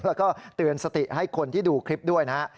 แล้วก็เตือนสติให้คนที่ดูคลิปด้วยนะฮะ